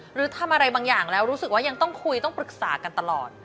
หรือทำอะไรบางอย่างแล้วรู้สึกว่ายังต้องคุยต้องปรึกษากันตลอด